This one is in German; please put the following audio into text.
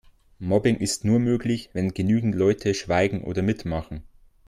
Mobbing ist nur möglich, wenn genügend Leute schweigen oder mitmachen.